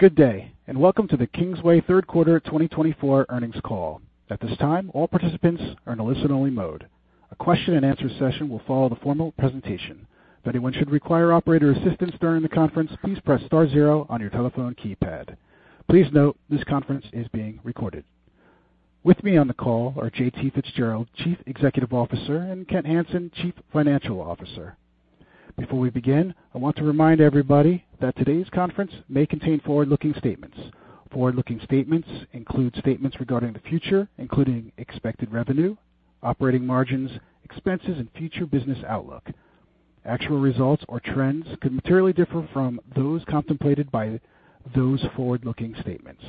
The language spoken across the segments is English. Good day, and welcome to the Kingsway Third Quarter 2024 Earnings Call. At this time, all participants are in a listen-only mode. A question-and-answer session will follow the formal presentation. If anyone should require operator assistance during the conference, please press star zero on your telephone keypad. Please note this conference is being recorded. With me on the call are J.T. Fitzgerald, Chief Executive Officer, and Kent Hansen, Chief Financial Officer. Before we begin, I want to remind everybody that today's conference may contain forward-looking statements. Forward-looking statements include statements regarding the future, including expected revenue, operating margins, expenses, and future business outlook. Actual results or trends could materially differ from those contemplated by those forward-looking statements.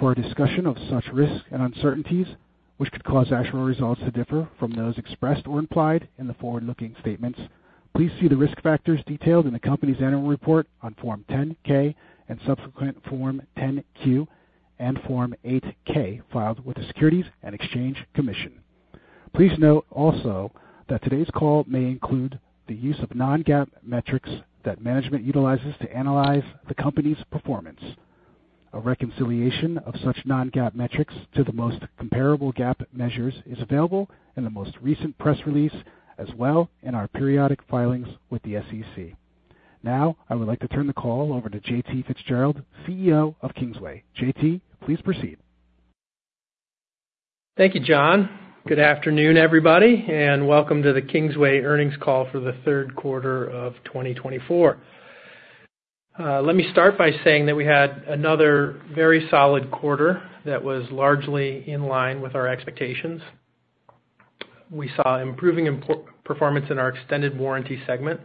For a discussion of such risks and uncertainties, which could cause actual results to differ from those expressed or implied in the forward-looking statements, please see the risk factors detailed in the company's annual report on Form 10-K and subsequent Form 10-Q and Form 8-K filed with the Securities and Exchange Commission. Please note also that today's call may include the use of non-GAAP metrics that management utilizes to analyze the company's performance. A reconciliation of such non-GAAP metrics to the most comparable GAAP measures is available in the most recent press release, as well as in our periodic filings with the SEC. Now, I would like to turn the call over to J.T. Fitzgerald, CEO of Kingsway. J.T., please proceed. Thank you, John. Good afternoon, everybody, and welcome to the Kingsway earnings call for the third quarter of 2024. Let me start by saying that we had another very solid quarter that was largely in line with our expectations. We saw improving performance in our extended warranty segment,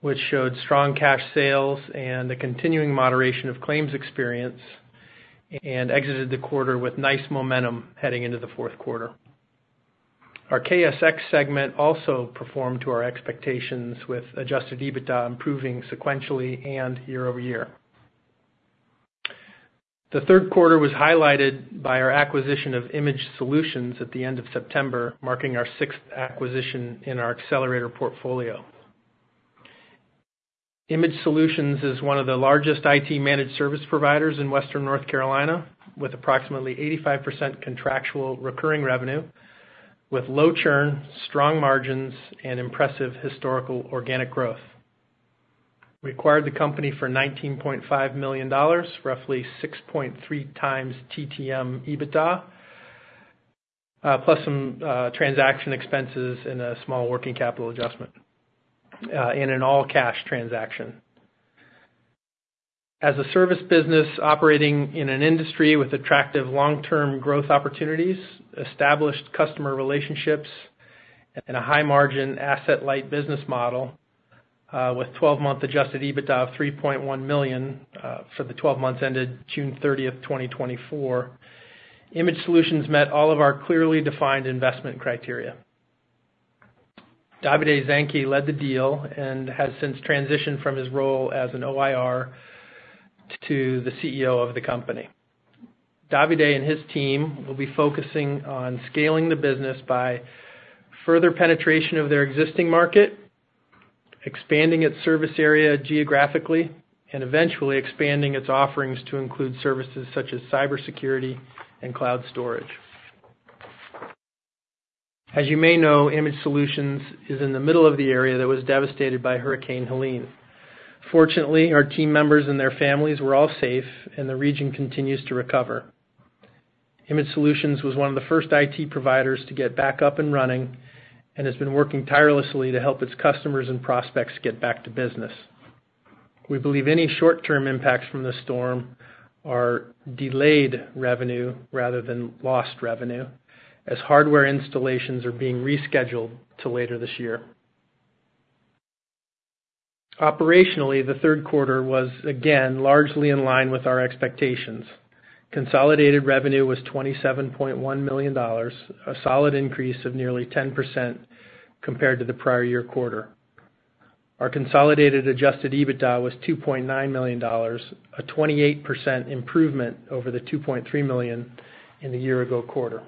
which showed strong cash sales and a continuing moderation of claims experience, and exited the quarter with nice momentum heading into the fourth quarter. Our KSX segment also performed to our expectations, with Adjusted EBITDA improving sequentially and year-over-year. The third quarter was highlighted by our acquisition of Image Solutions at the end of September, marking our sixth acquisition in our accelerator portfolio. Image Solutions is one of the largest IT managed service providers in Western North Carolina, with approximately 85% contractual recurring revenue, with low churn, strong margins, and impressive historical organic growth. We acquired the company for $19.5 million, roughly 6.3x TTM EBITDA, plus some transaction expenses and a small working capital adjustment, and an all-cash transaction. As a service business operating in an industry with attractive long-term growth opportunities, established customer relationships, and a high-margin asset-light business model, with 12-month adjusted EBITDA of $3.1 million for the 12 months ended June 30, 2024, Image Solutions met all of our clearly defined investment criteria. Davide Zanchi led the deal and has since transitioned from his role as an OIR to the CEO of the company. Davide and his team will be focusing on scaling the business by further penetration of their existing market, expanding its service area geographically, and eventually expanding its offerings to include services such as cybersecurity and cloud storage. As you may know, Image Solutions is in the middle of the area that was devastated by Hurricane Helene. Fortunately, our team members and their families were all safe, and the region continues to recover. Image Solutions was one of the first IT providers to get back up and running and has been working tirelessly to help its customers and prospects get back to business. We believe any short-term impacts from the storm are delayed revenue rather than lost revenue, as hardware installations are being rescheduled to later this year. Operationally, the third quarter was, again, largely in line with our expectations. Consolidated revenue was $27.1 million, a solid increase of nearly 10% compared to the prior year quarter. Our consolidated Adjusted EBITDA was $2.9 million, a 28% improvement over the $2.3 million in the year-ago quarter.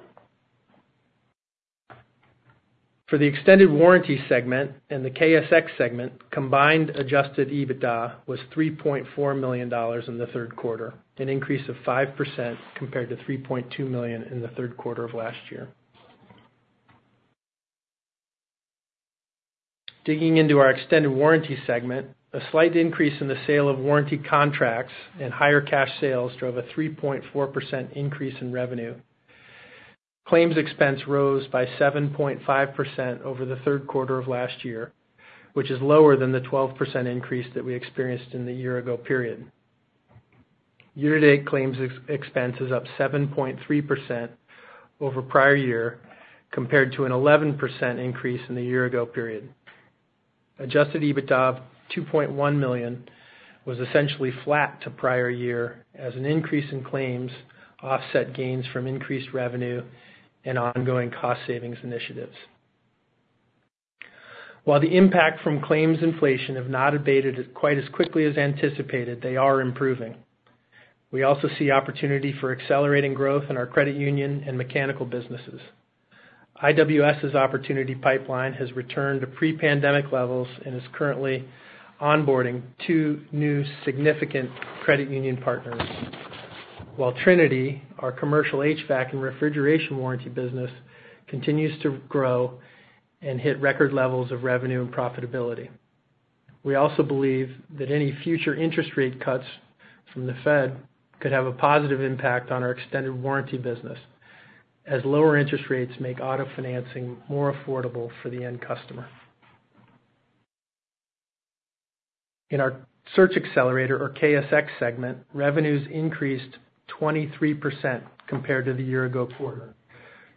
For the extended warranty segment and the KSX segment, combined Adjusted EBITDA was $3.4 million in the third quarter, an increase of 5% compared to $3.2 million in the third quarter of last year. Digging into our extended warranty segment, a slight increase in the sale of warranty contracts and higher cash sales drove a 3.4% increase in revenue. Claims expense rose by 7.5% over the third quarter of last year, which is lower than the 12% increase that we experienced in the year-ago period. Year-to-date claims expense is up 7.3% over prior year compared to an 11% increase in the year-ago period. Adjusted EBITDA of $2.1 million was essentially flat to prior year, as an increase in claims offset gains from increased revenue and ongoing cost savings initiatives. While the impact from claims inflation has not abated quite as quickly as anticipated, they are improving. We also see opportunity for accelerating growth in our credit union and mechanical businesses. IWS's opportunity pipeline has returned to pre-pandemic levels and is currently onboarding two new significant credit union partners, while Trinity, our commercial HVAC and refrigeration warranty business, continues to grow and hit record levels of revenue and profitability. We also believe that any future interest rate cuts from the Fed could have a positive impact on our extended warranty business, as lower interest rates make auto financing more affordable for the end customer. In our search accelerator, or KSX segment, revenues increased 23% compared to the year-ago quarter,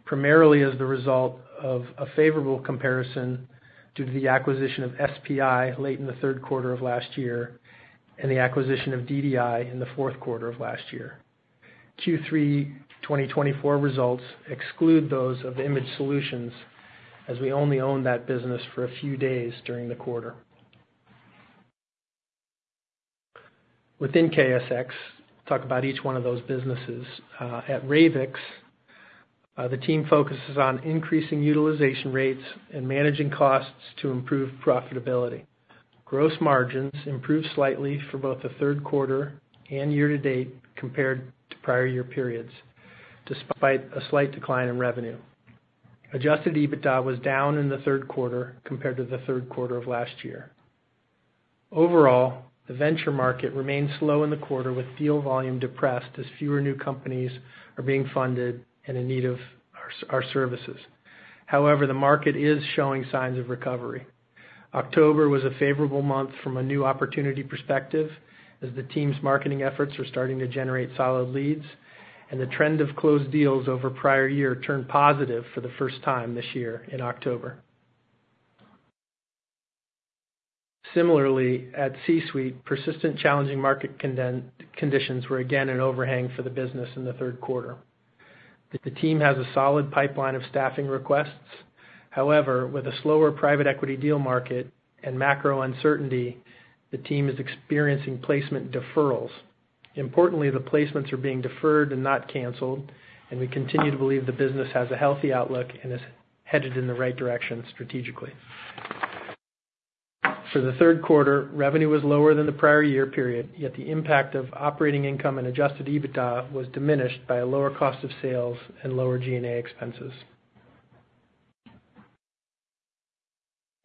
primarily as the result of a favorable comparison due to the acquisition of SPI late in the third quarter of last year and the acquisition of DDI in the fourth quarter of last year. Q3 2024 results exclude those of Image Solutions, as we only owned that business for a few days during the quarter. Within KSX, I'll talk about each one of those businesses. At Ravix, the team focuses on increasing utilization rates and managing costs to improve profitability. Gross margins improved slightly for both the third quarter and year-to-date compared to prior year periods, despite a slight decline in revenue. Adjusted EBITDA was down in the third quarter compared to the third quarter of last year. Overall, the venture market remained slow in the quarter, with deal volume depressed as fewer new companies are being funded and in need of our services. However, the market is showing signs of recovery. October was a favorable month from a new opportunity perspective, as the team's marketing efforts are starting to generate solid leads, and the trend of closed deals over prior year turned positive for the first time this year in October. Similarly, at C-Suite, persistent challenging market conditions were again an overhang for the business in the third quarter. The team has a solid pipeline of staffing requests. However, with a slower private equity deal market and macro uncertainty, the team is experiencing placement deferrals. Importantly, the placements are being deferred and not canceled, and we continue to believe the business has a healthy outlook and is headed in the right direction strategically. For the third quarter, revenue was lower than the prior year period, yet the impact of operating income and adjusted EBITDA was diminished by a lower cost of sales and lower G&A expenses.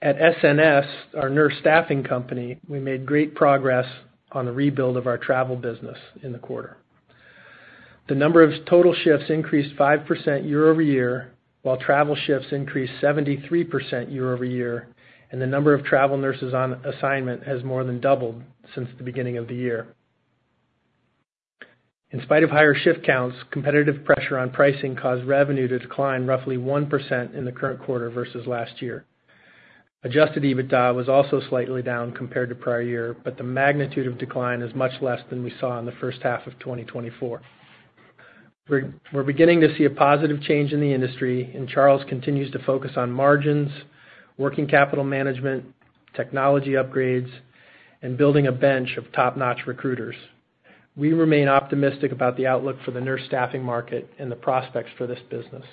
At SNS, our nurse staffing company, we made great progress on the rebuild of our travel business in the quarter. The number of total shifts increased 5% year-over-year, while travel shifts increased 73% year-over-year, and the number of travel nurses on assignment has more than doubled since the beginning of the year. In spite of higher shift counts, competitive pressure on pricing caused revenue to decline roughly 1% in the current quarter versus last year. Adjusted EBITDA was also slightly down compared to prior year, but the magnitude of decline is much less than we saw in the first half of 2024. We're beginning to see a positive change in the industry, and Charles continues to focus on margins, working capital management, technology upgrades, and building a bench of top-notch recruiters. We remain optimistic about the outlook for the nurse staffing market and the prospects for this business.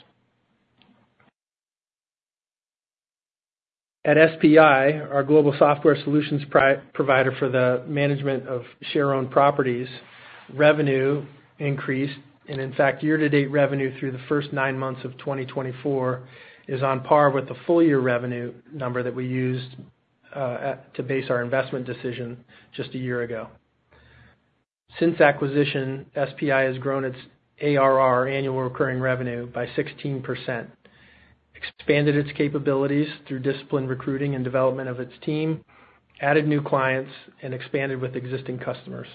At SPI, our global software solutions provider for the management of shared-ownership properties, revenue increased, and in fact, year-to-date revenue through the first nine months of 2024 is on par with the full-year revenue number that we used to base our investment decision just a year ago. Since acquisition, SPI has grown its ARR, annual recurring revenue, by 16%, expanded its capabilities through disciplined recruiting and development of its team, added new clients, and expanded with existing customers.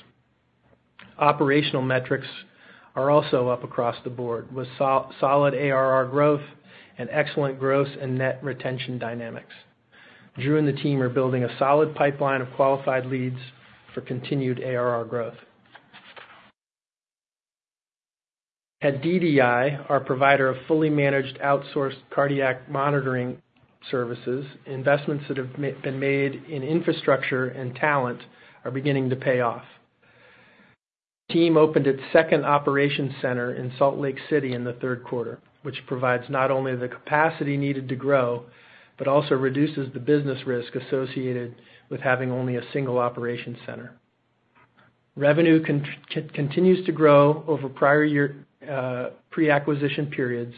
Operational metrics are also up across the board, with solid ARR growth and excellent gross and net retention dynamics. Drew and the team are building a solid pipeline of qualified leads for continued ARR growth. At DDI, our provider of fully managed outsourced cardiac monitoring services, investments that have been made in infrastructure and talent are beginning to pay off. The team opened its second operations center in Salt Lake City in the third quarter, which provides not only the capacity needed to grow but also reduces the business risk associated with having only a single operations center. Revenue continues to grow over prior year pre-acquisition periods,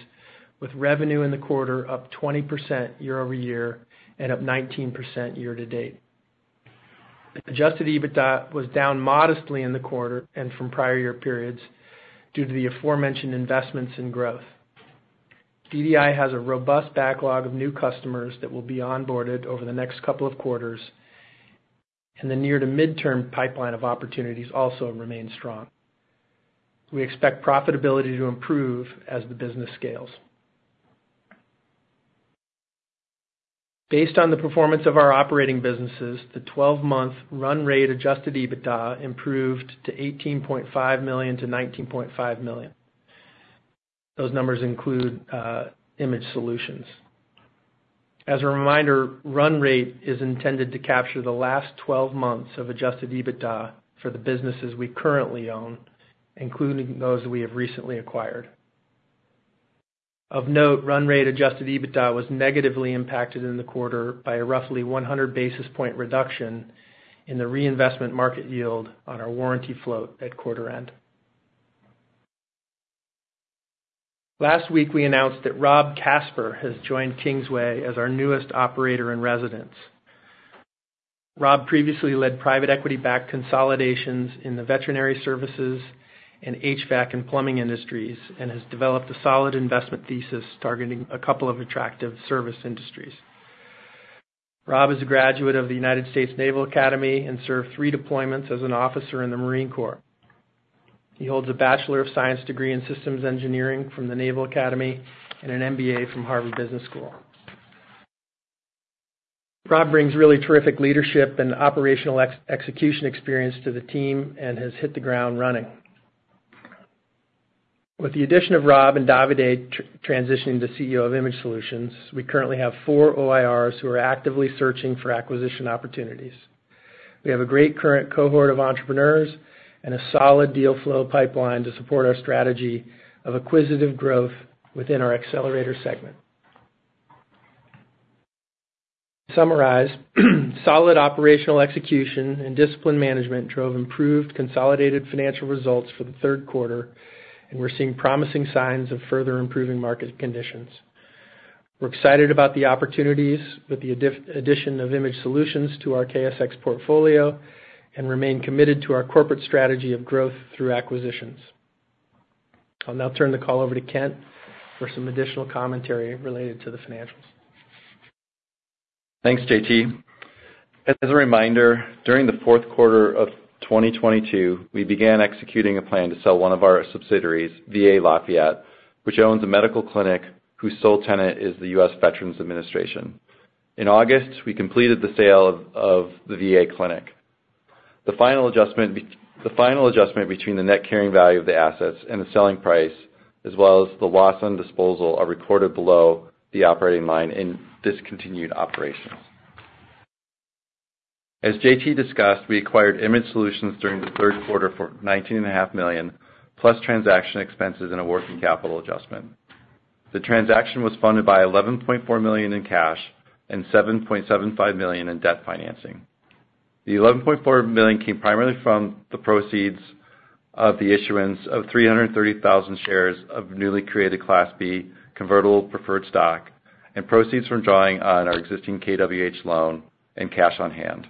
with revenue in the quarter up 20% year-over-year and up 19% year-to-date. Adjusted EBITDA was down modestly in the quarter and from prior year periods due to the aforementioned investments and growth. DDI has a robust backlog of new customers that will be onboarded over the next couple of quarters, and the near-to-mid-term pipeline of opportunities also remains strong. We expect profitability to improve as the business scales. Based on the performance of our operating businesses, the 12-month run rate adjusted EBITDA improved to $18.5-$19.5 million. Those numbers include Image Solutions. As a reminder, run rate is intended to capture the last 12 months of adjusted EBITDA for the businesses we currently own, including those we have recently acquired. Of note, run rate adjusted EBITDA was negatively impacted in the quarter by a roughly 100 basis point reduction in the reinvestment market yield on our warranty float at quarter end. Last week, we announced that Rob Casper has joined Kingsway as our newest operator in residence. Rob previously led private equity-backed consolidations in the veterinary services and HVAC and plumbing industries and has developed a solid investment thesis targeting a couple of attractive service industries. Rob is a graduate of the United States Naval Academy and served three deployments as an officer in the Marine Corps. He holds a Bachelor of Science degree in Systems Engineering from the Naval Academy and an MBA from Harvard Business School. Rob brings really terrific leadership and operational execution experience to the team and has hit the ground running. With the addition of Rob and Davide transitioning to CEO of Image Solutions, we currently have four OIRs who are actively searching for acquisition opportunities. We have a great current cohort of entrepreneurs and a solid deal flow pipeline to support our strategy of acquisitive growth within our accelerator segment. To summarize, solid operational execution and disciplined management drove improved consolidated financial results for the third quarter, and we're seeing promising signs of further improving market conditions. We're excited about the opportunities with the addition of Image Solutions to our KSX portfolio and remain committed to our corporate strategy of growth through acquisitions. I'll now turn the call over to Kent for some additional commentary related to the financials. Thanks, J.T. As a reminder, during the fourth quarter of 2022, we began executing a plan to sell one of our subsidiaries, VA Lafayette, which owns a medical clinic whose sole tenant is the U.S. Department of Veterans Affairs. In August, we completed the sale of the VA clinic. The final adjustment between the net carrying value of the assets and the selling price, as well as the loss on disposal, are recorded below the operating line in discontinued operations. As J.T. discussed, we acquired Image Solutions during the third quarter for $19.5 million, plus transaction expenses and a working capital adjustment. The transaction was funded by $11.4 million in cash and $7.75 million in debt financing. The $11.4 million came primarily from the proceeds of the issuance of 330,000 shares of newly created Class B Convertible Preferred Stock and proceeds from drawing on our existing KWH loan and cash on hand.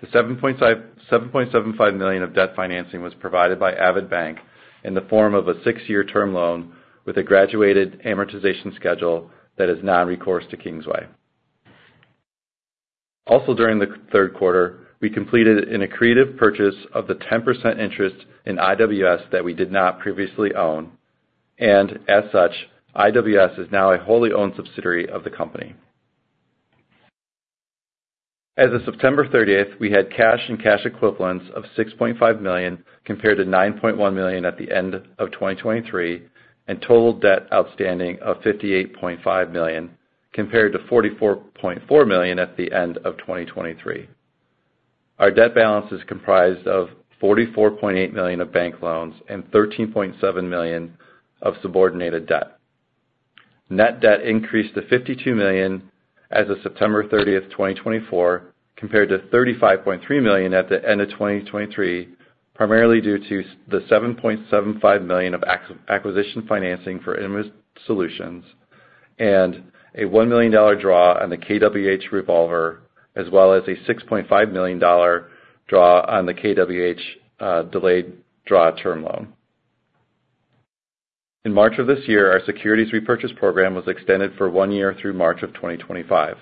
The $7.75 million of debt financing was provided by AvidBank in the form of a six-year term loan with a graduated amortization schedule that is non-recourse to Kingsway. Also, during the third quarter, we completed an accretive purchase of the 10% interest in IWS that we did not previously own, and as such, IWS is now a wholly owned subsidiary of the company. As of September 30th, we had cash and cash equivalents of $6.5 million compared to $9.1 million at the end of 2023 and total debt outstanding of $58.5 million compared to $44.4 million at the end of 2023. Our debt balance is comprised of $44.8 million of bank loans and $13.7 million of subordinated debt. Net debt increased to $52 million as of September 30th, 2024, compared to $35.3 million at the end of 2023, primarily due to the $7.75 million of acquisition financing for Image Solutions and a $1 million draw on the KWH revolver, as well as a $6.5 million draw on the KWH delayed draw term loan. In March of this year, our securities repurchase program was extended for one year through March of 2025.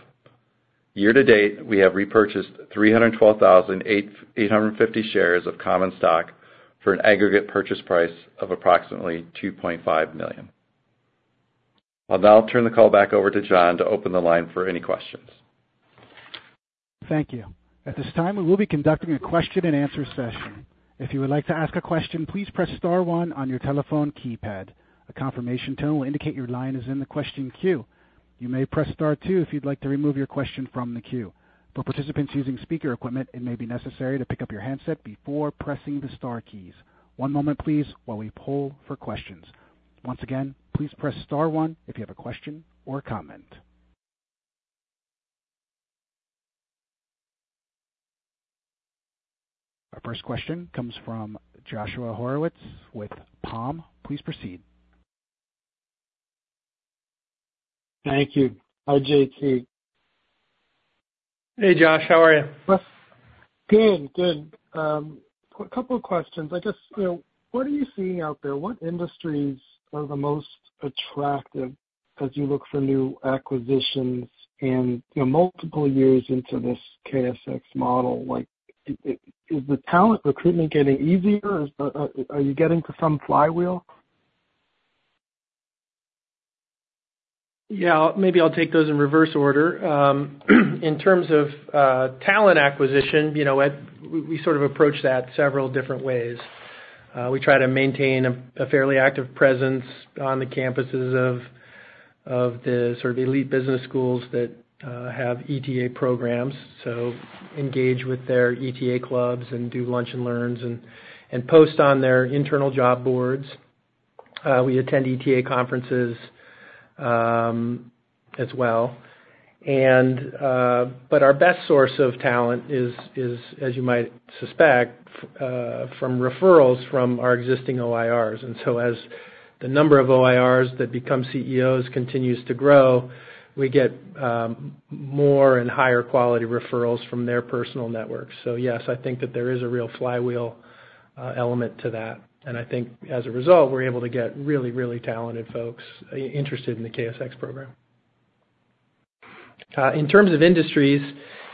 Year-to-date, we have repurchased 312,850 shares of common stock for an aggregate purchase price of approximately $2.5 million. I'll now turn the call back over to John to open the line for any questions. Thank you. At this time, we will be conducting a question-and-answer session. If you would like to ask a question, please press star one on your telephone keypad. A confirmation tone will indicate your line is in the question queue. You may press star two if you'd like to remove your question from the queue. For participants using speaker equipment, it may be necessary to pick up your handset before pressing the star keys. One moment, please, while we poll for questions. Once again, please press star one if you have a question or comment. Our first question comes from Joshua Horowitz with Palm. Please proceed. Thank you. Hi, J.T. Hey, Josh. How are you? Good. Good. A couple of questions. I guess, what are you seeing out there? What industries are the most attractive as you look for new acquisitions and multiple years into this KSX model? Is the talent recruitment getting easier? Are you getting to some flywheel? Yeah. Maybe I'll take those in reverse order. In terms of talent acquisition, we sort of approach that several different ways. We try to maintain a fairly active presence on the campuses of the sort of elite business schools that have ETA programs, so engage with their ETA clubs and do lunch and learns and post on their internal job boards. We attend ETA conferences as well, but our best source of talent is, as you might suspect, from referrals from our existing OIRs, and so, as the number of OIRs that become CEOs continues to grow, we get more and higher quality referrals from their personal networks, so yes, I think that there is a real flywheel element to that, and I think, as a result, we're able to get really, really talented folks interested in the KSX program. In terms of industries,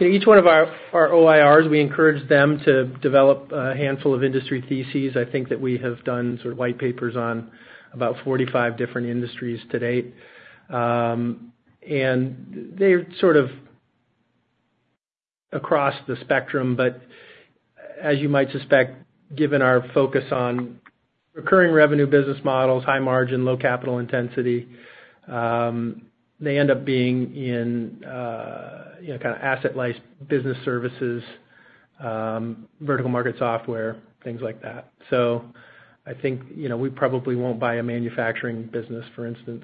each one of our OIRs, we encourage them to develop a handful of industry theses. I think that we have done sort of white papers on about 45 different industries to date, and they're sort of across the spectrum, but as you might suspect, given our focus on recurring revenue business models, high margin, low capital intensity, they end up being in kind of asset-like business services, vertical market software, things like that, so I think we probably won't buy a manufacturing business, for instance,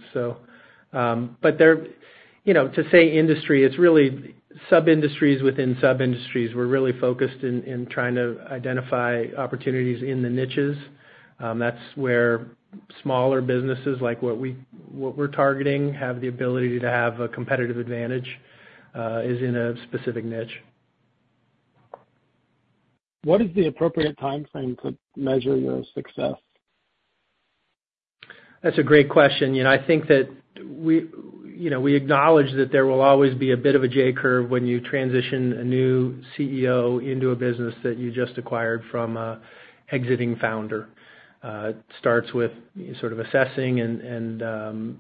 but to say industry, it's really sub-industries within sub-industries. We're really focused in trying to identify opportunities in the niches. That's where smaller businesses, like what we're targeting, have the ability to have a competitive advantage in a specific niche. What is the appropriate time frame to measure your success? That's a great question. I think that we acknowledge that there will always be a bit of a J-Curve when you transition a new CEO into a business that you just acquired from an exiting founder. It starts with sort of assessing and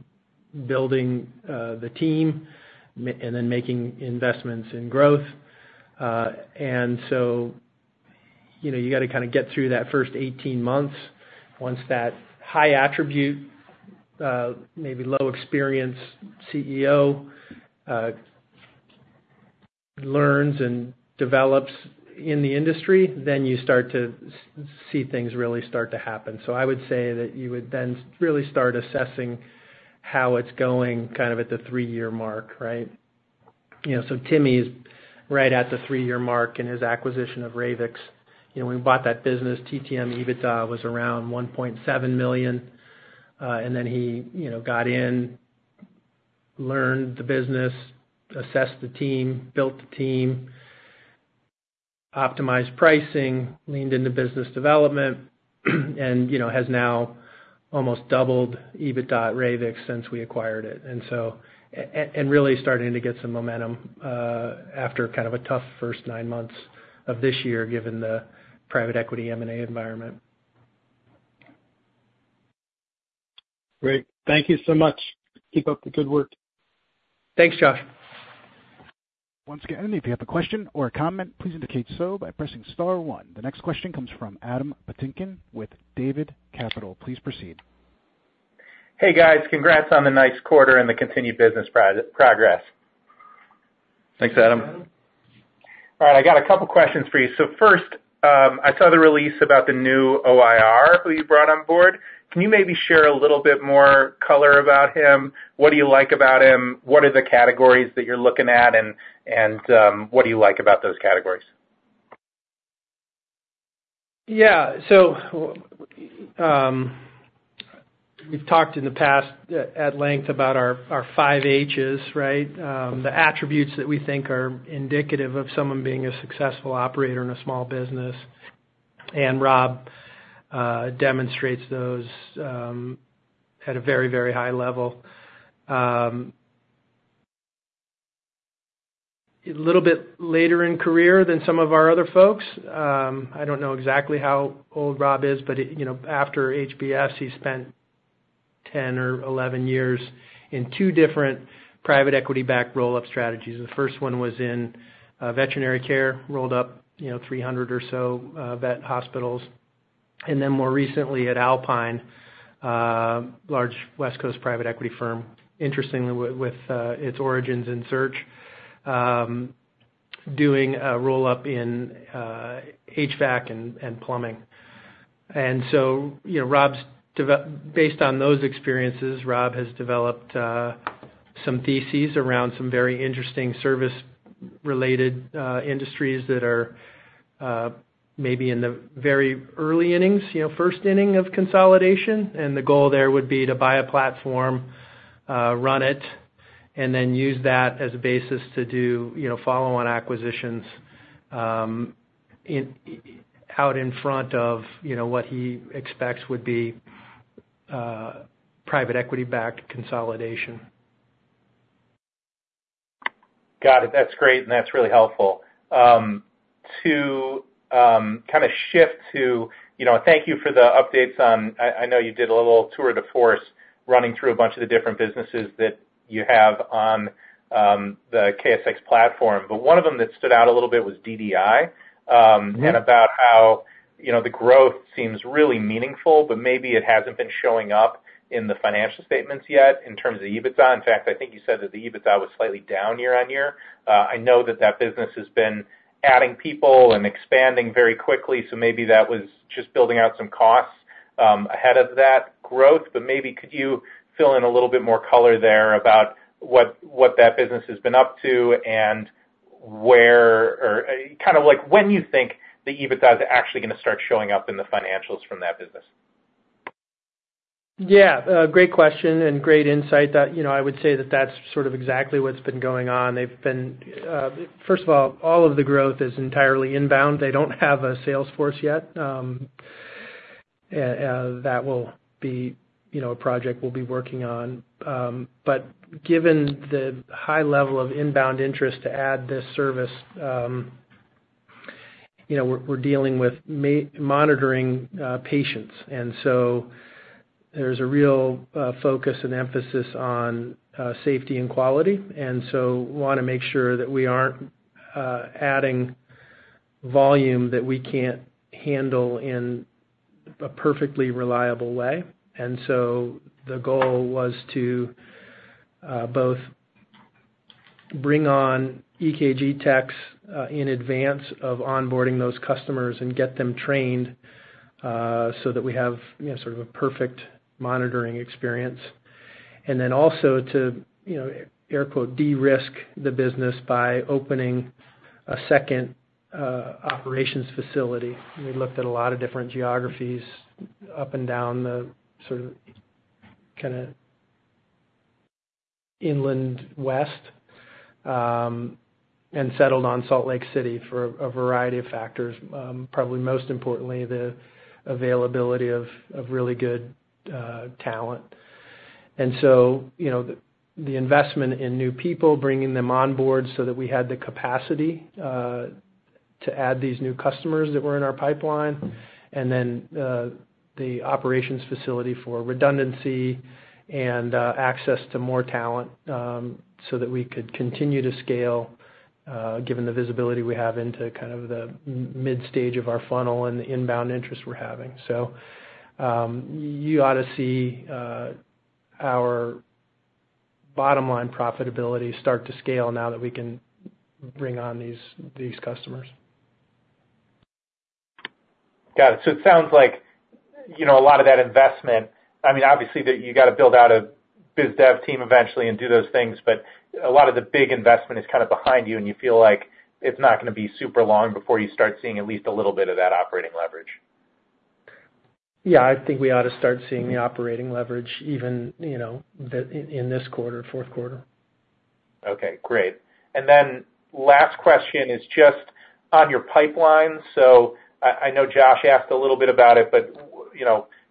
building the team and then making investments in growth. And so you got to kind of get through that first 18 months. Once that high attribute, maybe low experience CEO learns and develops in the industry, then you start to see things really start to happen. So I would say that you would then really start assessing how it's going kind of at the three-year mark, right? So Timmy is right at the three-year mark in his acquisition of Ravix. When we bought that business, TTM EBITDA was around $1.7 million. And then he got in, learned the business, assessed the team, built the team, optimized pricing, leaned into business development, and has now almost doubled EBITDA Ravix since we acquired it. And really starting to get some momentum after kind of a tough first nine months of this year given the private equity M&A environment. Great. Thank you so much. Keep up the good work. Thanks, Josh. Once again, if you have a question or a comment, please indicate so by pressing star one. The next question comes from Adam Patinkin with David Capital. Please proceed. Hey, guys. Congrats on the nice quarter and the continued business progress. Thanks, Adam. All right. I got a couple of questions for you. So first, I saw the release about the new OIR who you brought on board. Can you maybe share a little bit more color about him? What do you like about him? What are the categories that you're looking at, and what do you like about those categories? Yeah. So we've talked in the past at length about our five H's, right? The attributes that we think are indicative of someone being a successful operator in a small business, and Rob demonstrates those at a very, very high level. A little bit later in career than some of our other folks. I don't know exactly how old Rob is, but after HBS, he spent 10 or 11 years in two different private equity-backed roll-up strategies. The first one was in veterinary care, rolled up 300 or so vet hospitals, and then more recently at Alpine, large West Coast private equity firm, interestingly with its origins in search, doing a roll-up in HVAC and plumbing. And so based on those experiences, Rob has developed some theses around some very interesting service-related industries that are maybe in the very early innings, first inning of consolidation. And the goal there would be to buy a platform, run it, and then use that as a basis to do follow-on acquisitions out in front of what he expects would be private equity-backed consolidation. Got it. That's great, and that's really helpful. To kind of shift to thank you for the updates on I know you did a little tour de force running through a bunch of the different businesses that you have on the KSX platform. But one of them that stood out a little bit was DDI and about how the growth seems really meaningful, but maybe it hasn't been showing up in the financial statements yet in terms of EBITDA. In fact, I think you said that the EBITDA was slightly down year on year. I know that that business has been adding people and expanding very quickly, so maybe that was just building out some costs ahead of that growth. But maybe could you fill in a little bit more color there about what that business has been up to and kind of when you think the EBITDA is actually going to start showing up in the financials from that business? Yeah. Great question and great insight. I would say that that's sort of exactly what's been going on. First of all, all of the growth is entirely inbound. They don't have a sales force yet. That will be a project we'll be working on. But given the high level of inbound interest to add this service, we're dealing with monitoring patients. And so there's a real focus and emphasis on safety and quality. And so we want to make sure that we aren't adding volume that we can't handle in a perfectly reliable way. And so the goal was to both bring on EKG techs in advance of onboarding those customers and get them trained so that we have sort of a perfect monitoring experience, and then also to "de-risk" the business by opening a second operations facility. We looked at a lot of different geographies up and down the sort of kind of inland west and settled on Salt Lake City for a variety of factors. Probably most importantly, the availability of really good talent. And so the investment in new people, bringing them on board so that we had the capacity to add these new customers that were in our pipeline, and then the operations facility for redundancy and access to more talent so that we could continue to scale given the visibility we have into kind of the mid-stage of our funnel and the inbound interest we're having. So you ought to see our bottom-line profitability start to scale now that we can bring on these customers. Got it. So it sounds like a lot of that investment I mean, obviously, you got to build out a biz dev team eventually and do those things, but a lot of the big investment is kind of behind you, and you feel like it's not going to be super long before you start seeing at least a little bit of that operating leverage. Yeah. I think we ought to start seeing the operating leverage even in this quarter, fourth quarter. Okay. Great. And then last question is just on your pipeline. So I know Josh asked a little bit about it, but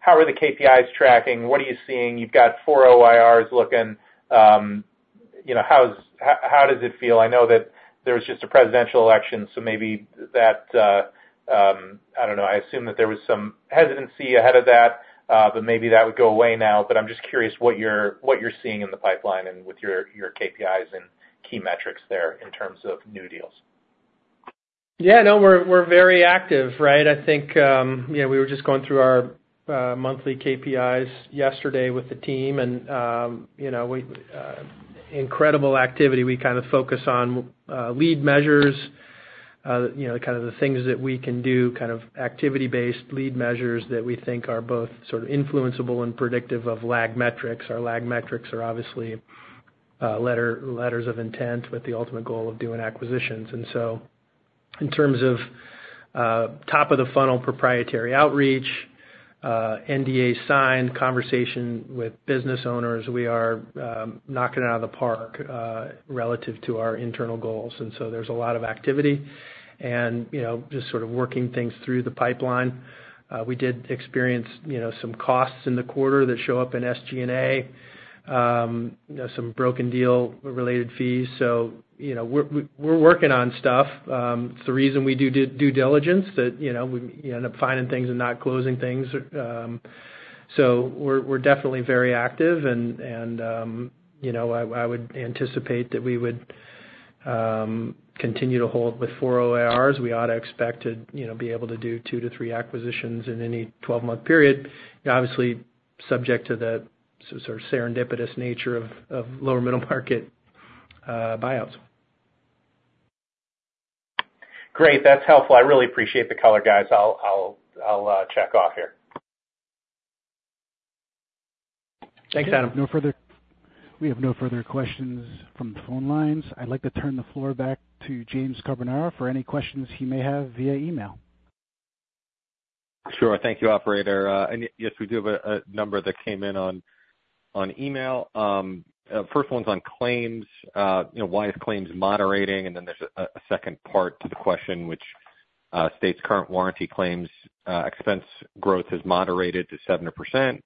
how are the KPIs tracking? What are you seeing? You've got four OIRs looking. How does it feel? I know that there was just a presidential election, so maybe that. I don't know. I assume that there was some hesitancy ahead of that, but maybe that would go away now. But I'm just curious what you're seeing in the pipeline and with your KPIs and key metrics there in terms of new deals. Yeah. No, we're very active, right? I think we were just going through our monthly KPIs yesterday with the team, and incredible activity. We kind of focus on lead measures, kind of the things that we can do, kind of activity-based lead measures that we think are both sort of influenceable and predictive of lag metrics. Our lag metrics are obviously letters of intent with the ultimate goal of doing acquisitions. And so in terms of top-of-the-funnel proprietary outreach, NDA signed, conversation with business owners, we are knocking it out of the park relative to our internal goals. And so there's a lot of activity and just sort of working things through the pipeline. We did experience some costs in the quarter that show up in SG&A, some broken deal-related fees. So we're working on stuff. It's the reason we do due diligence, that we end up finding things and not closing things. So we're definitely very active, and I would anticipate that we would continue to hold with four OIRs. We ought to expect to be able to do two to three acquisitions in any 12-month period, obviously subject to the sort of serendipitous nature of lower middle market buyouts. Great. That's helpful. I really appreciate the color, guys. I'll check off here. Thanks, Adam. We have no further questions from the phone lines. I'd like to turn the floor back to James Carbonara for any questions he may have via email. Sure. Thank you, operator. And yes, we do have a number that came in on email. First one's on claims. Why is claims moderating? And then there's a second part to the question, which states current warranty claims expense growth has moderated to 7%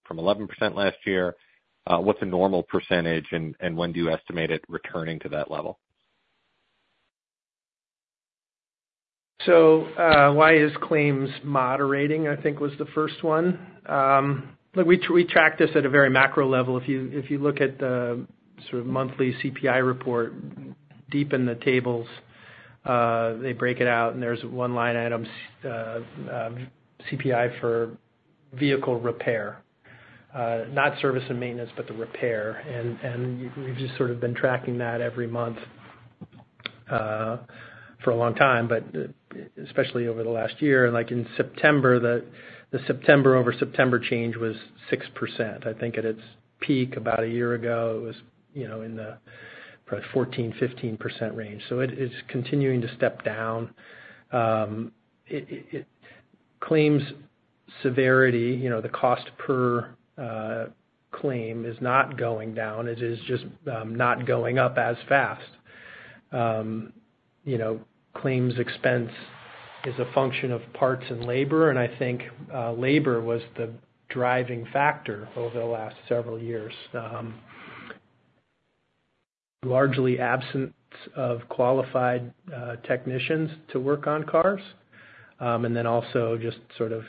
from 11% last year. What's a normal percentage, and when do you estimate it returning to that level? So why is claims moderating, I think, was the first one. We track this at a very macro level. If you look at the sort of monthly CPI report, deep in the tables, they break it out, and there's one line item CPI for vehicle repair, not service and maintenance, but the repair. And we've just sort of been tracking that every month for a long time, but especially over the last year. And in September, the September over September change was 6%. I think at its peak about a year ago, it was in the probably 14-15% range. So it's continuing to step down. Claims severity, the cost per claim is not going down. It is just not going up as fast. Claims expense is a function of parts and labor, and I think labor was the driving factor over the last several years. Largely absence of qualified technicians to work on cars, and then also just sort of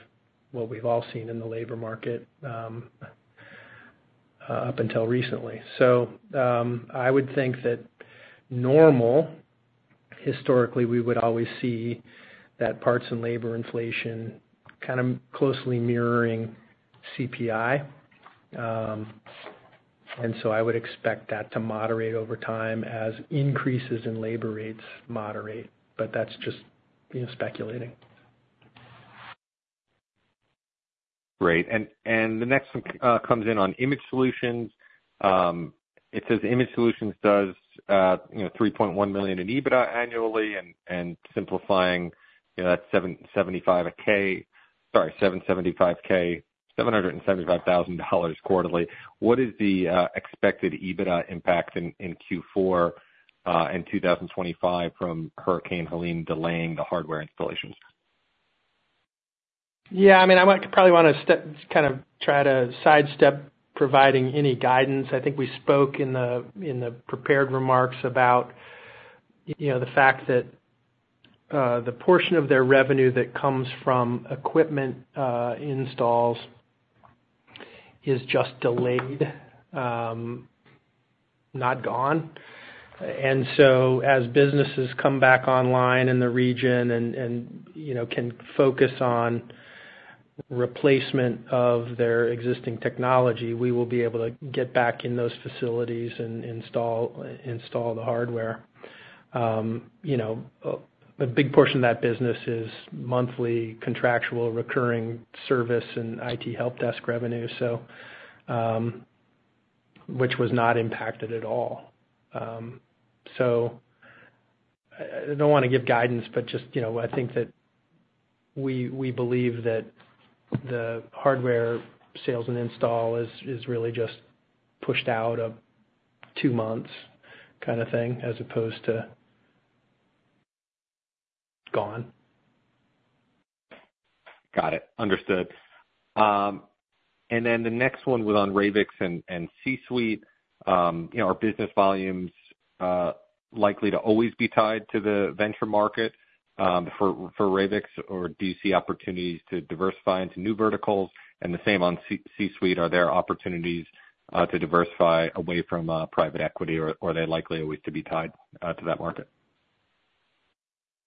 what we've all seen in the labor market up until recently. So I would think that normal, historically, we would always see that parts and labor inflation kind of closely mirroring CPI. And so I would expect that to moderate over time as increases in labor rates moderate, but that's just speculating. Great. And the next one comes in on Image Solutions. It says Image Solutions does $3.1 million in EBITDA annually and simplifying at 775K, sorry, 775K, $775,000 quarterly. What is the expected EBITDA impact in Q4 and 2025 from Hurricane Helene delaying the hardware installations? Yeah. I mean, I probably want to kind of try to sidestep providing any guidance. I think we spoke in the prepared remarks about the fact that the portion of their revenue that comes from equipment installs is just delayed, not gone, and so as businesses come back online in the region and can focus on replacement of their existing technology, we will be able to get back in those facilities and install the hardware. A big portion of that business is monthly contractual recurring service and IT help desk revenue, which was not impacted at all, so I don't want to give guidance, but just I think that we believe that the hardware sales and install is really just pushed out a two-month kind of thing as opposed to gone. Got it. Understood, and then the next one was on Ravix and C-Suite. Are business volumes likely to always be tied to the venture market for Ravix, or do you see opportunities to diversify into new verticals? And the same on C-Suite. Are there opportunities to diversify away from private equity, or are they likely always to be tied to that market?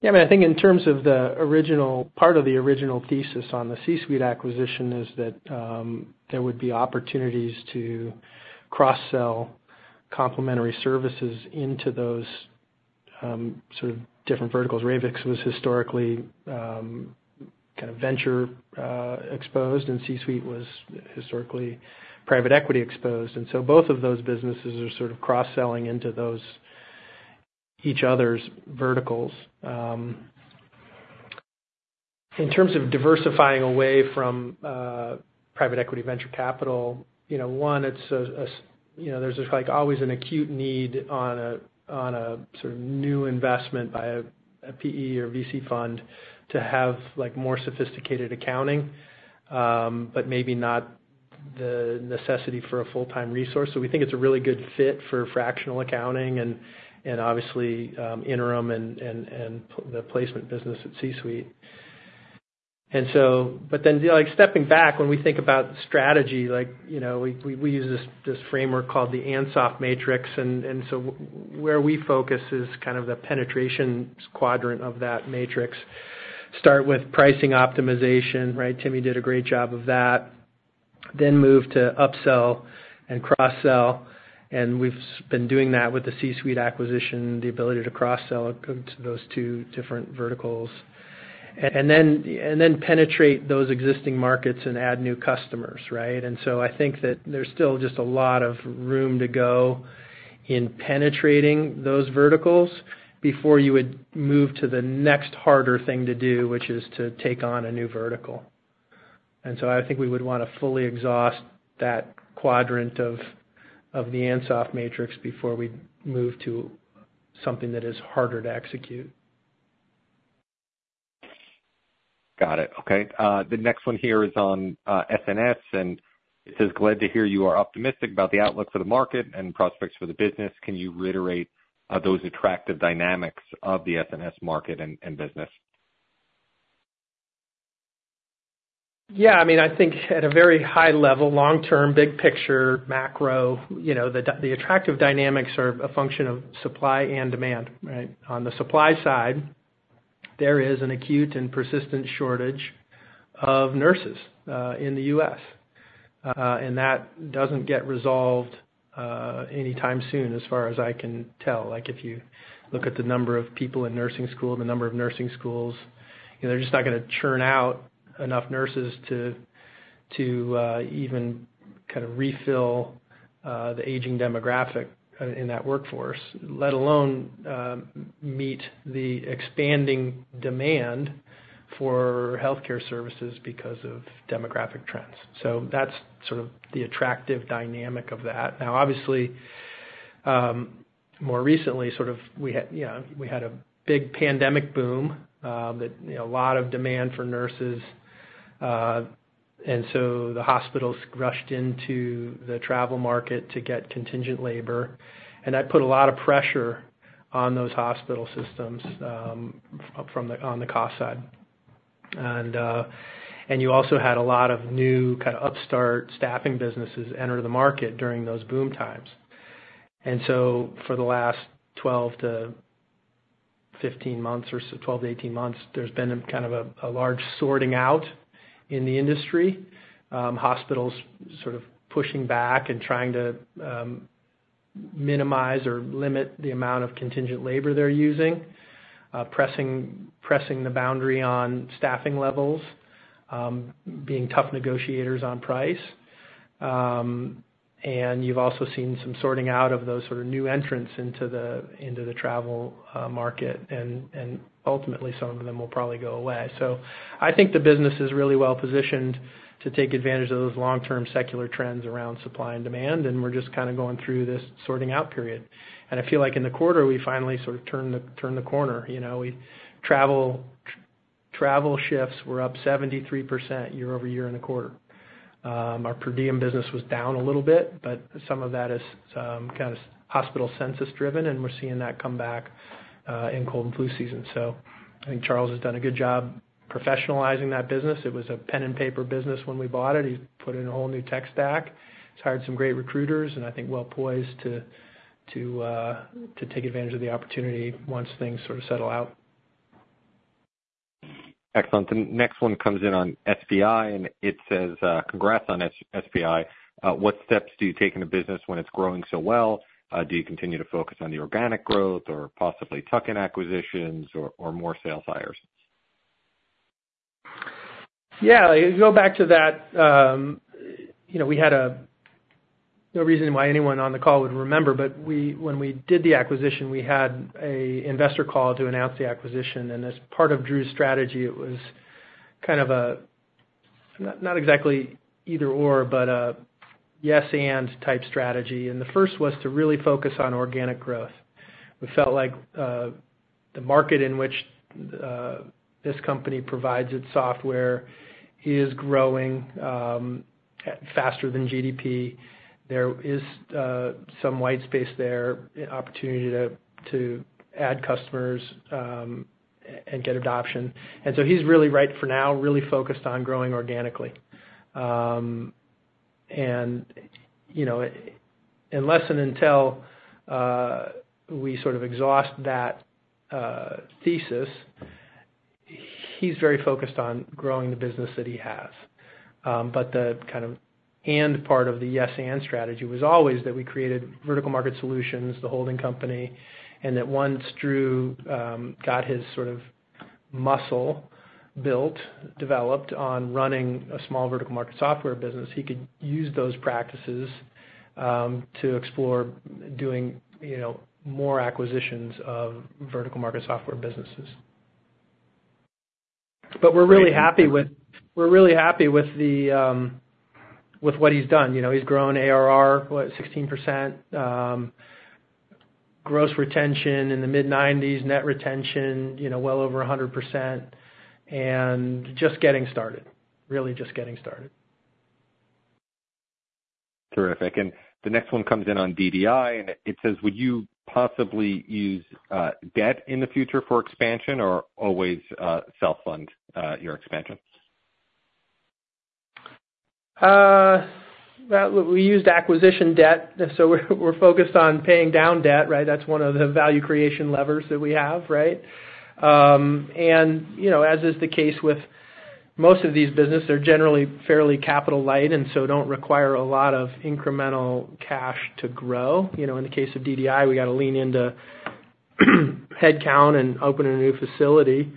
Yeah. I mean, I think in terms of the original part of the original thesis on the C-Suite acquisition is that there would be opportunities to cross-sell complementary services into those sort of different verticals. Ravix was historically kind of venture-exposed, and C-Suite was historically private equity-exposed. And so both of those businesses are sort of cross-selling into each other's verticals. In terms of diversifying away from private equity venture capital, one, there's always an acute need on a sort of new investment by a PE or VC fund to have more sophisticated accounting, but maybe not the necessity for a full-time resource. So we think it's a really good fit for fractional accounting and obviously interim and the placement business at C-Suite. But then stepping back, when we think about strategy, we use this framework called the Ansoff Matrix. And so where we focus is kind of the penetration quadrant of that matrix. Start with pricing optimization, right? Timmy did a great job of that. Then move to upsell and cross-sell. And we've been doing that with the C-Suite acquisition, the ability to cross-sell to those two different verticals, and then penetrate those existing markets and add new customers, right? And so I think that there's still just a lot of room to go in penetrating those verticals before you would move to the next harder thing to do, which is to take on a new vertical. And so I think we would want to fully exhaust that quadrant of the Ansoff Matrix before we move to something that is harder to execute. Got it. Okay. The next one here is on SNS, and it says, "Glad to hear you are optimistic about the outlook for the market and prospects for the business. Can you reiterate those attractive dynamics of the SNS market and business?" Yeah. I mean, I think at a very high level, long-term, big picture, macro, the attractive dynamics are a function of supply and demand, right? On the supply side, there is an acute and persistent shortage of nurses in the U.S., and that doesn't get resolved anytime soon as far as I can tell. If you look at the number of people in nursing school, the number of nursing schools, they're just not going to churn out enough nurses to even kind of refill the aging demographic in that workforce, let alone meet the expanding demand for healthcare services because of demographic trends, so that's sort of the attractive dynamic of that. Now, obviously, more recently, sort of we had a big pandemic boom, a lot of demand for nurses, and so the hospitals rushed into the travel market to get contingent labor, and that put a lot of pressure on those hospital systems on the cost side. You also had a lot of new kind of upstart staffing businesses enter the market during those boom times. And so for the last 12-15 months or so, 12-18 months, there's been kind of a large sorting out in the industry, hospitals sort of pushing back and trying to minimize or limit the amount of contingent labor they're using, pressing the boundary on staffing levels, being tough negotiators on price. And you've also seen some sorting out of those sort of new entrants into the travel market, and ultimately, some of them will probably go away. So I think the business is really well positioned to take advantage of those long-term secular trends around supply and demand, and we're just kind of going through this sorting out period. And I feel like in the quarter, we finally sort of turned the corner. Travel shifts were up 73% year-over-year in the quarter. Our per diem business was down a little bit, but some of that is kind of hospital census-driven, and we're seeing that come back in cold and flu season. So I think Charles has done a good job professionalizing that business. It was a pen and paper business when we bought it. He put in a whole new tech stack. He's hired some great recruiters, and I think well poised to take advantage of the opportunity once things sort of settle out. Excellent. The next one comes in on SNS, and it says, "Congrats on SNS. What steps do you take in a business when it's growing so well? Do you continue to focus on the organic growth or possibly tuck-in acquisitions or more sales hires?" Yeah. Go back to that. We had no reason why anyone on the call would remember, but when we did the acquisition, we had an investor call to announce the acquisition, and as part of Drew's strategy, it was kind of a not exactly either/or, but a yes-and type strategy, and the first was to really focus on organic growth. We felt like the market in which this company provides its software is growing faster than GDP. There is some white space there, opportunity to add customers and get adoption, and so he's really right for now, really focused on growing organically. Unless and until we sort of exhaust that thesis, he's very focused on growing the business that he has. But the kind of and part of the yes-and strategy was always that we created vertical market solutions, the holding company, and that once Drew got his sort of muscle built, developed on running a small vertical market software business, he could use those practices to explore doing more acquisitions of vertical market software businesses. But we're really happy with the, what he's done. He's grown ARR, what, 16%, gross retention in the mid-90s%, net retention well over 100%, and just getting started, really just getting started. Terrific. And the next one comes in on DDI, and it says, "Would you possibly use debt in the future for expansion or always self-fund your expansion?" We used acquisition debt, so we're focused on paying down debt, right? That's one of the value creation levers that we have, right? And as is the case with most of these businesses, they're generally fairly capital-light and so don't require a lot of incremental cash to grow. In the case of DDI, we got to lean into headcount and open a new facility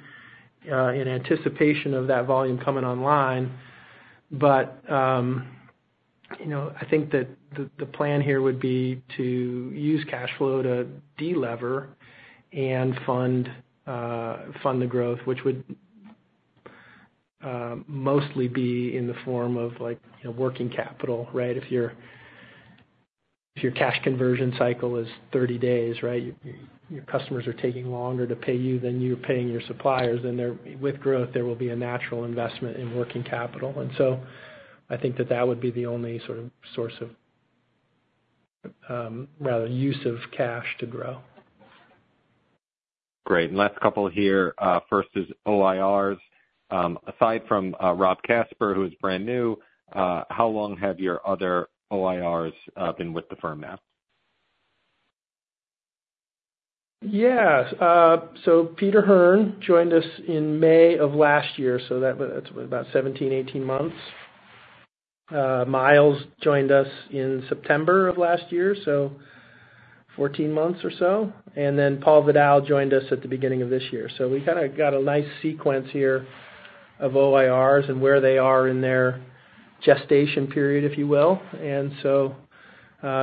in anticipation of that volume coming online. But I think that the plan here would be to use cash flow to delever and fund the growth, which would mostly be in the form of working capital, right? If your cash conversion cycle is 30 days, right, your customers are taking longer to pay you than you're paying your suppliers, then with growth, there will be a natural investment in working capital. And so I think that that would be the only sort of source of rather use of cash to grow. Great. And last couple here. First is OIRs. Aside from Rob Casper, who is brand new, how long have your other OIRs been with the firm now? Yeah. So Peter Hearn joined us in May of last year, so that's about 17, 18 months. Myles joined us in September of last year, so 14 months or so. And then Paul Vidal joined us at the beginning of this year. So we kind of got a nice sequence here of OIRs and where they are in their gestation period, if you will. And so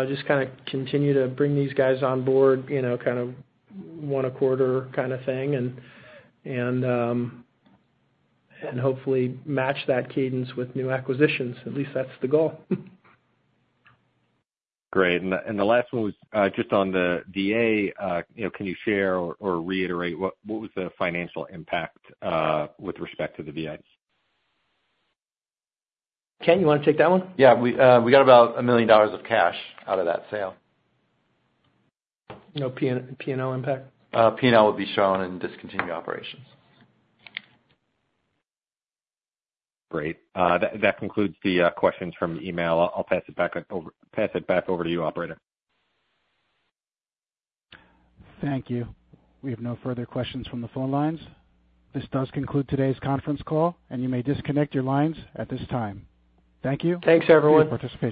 just kind of continue to bring these guys on board, kind of one-quarter kind of thing, and hopefully match that cadence with new acquisitions. At least that's the goal. Great. And the last one was just on the VA. Can you share or reiterate what was the financial impact with respect to the VAs? Kent, you want to take that one? Yeah. We got about $1 million of cash out of that sale. No P&L impact? P&L would be shown in discontinued operations. Great. That concludes the questions from the email. I'll pass it back over to you, Operator. Thank you. We have no further questions from the phone lines. This does conclude today's conference call, and you may disconnect your lines at this time. Thank you. Thanks, everyone. Thank you for your participation.